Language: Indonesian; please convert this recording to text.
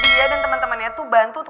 dia dan temen temennya tuh bantu